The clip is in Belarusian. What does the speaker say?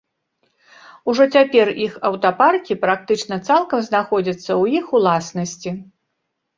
Ужо цяпер іх аўтапаркі практычна цалкам знаходзяцца ў іх уласнасці.